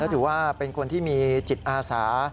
ถือว่าเป็นคนที่มีจิตอาสา